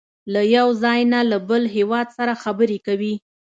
له یو ځای نه له بل هېواد سره خبرې کوي.